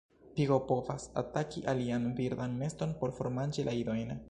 Pigo povas ataki alian birdan neston por formanĝi la idojn.